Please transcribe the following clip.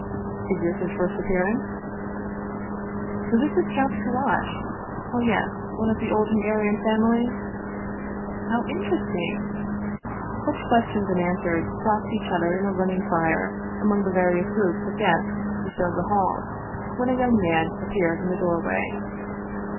" Is this his first appearance ?"" Who is this Kallash ? Oh, yes, one of the old Hun garian families "" How interesting " Such questions and answers crossed each other in a running fire among the various groups of guests who filled the hall, when a young man appeared in the door way.